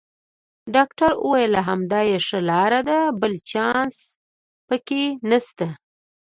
ډاکټر وویل: همدا یې ښه لار ده، بل چانس پکې نشته.